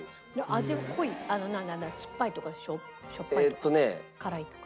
味濃い酸っぱいとかしょっぱいとか辛いとか。